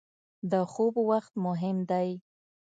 • د خوب وخت مهم دی.